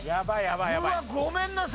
うわっごめんなさい！